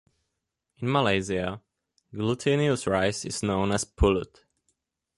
In Malaysia, glutinous rice is known as pulut.